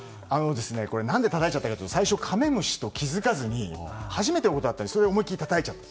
何でたたいちゃったかというと最初、カメムシと気づかずに初めてのことだったので思い切りたたいちゃった。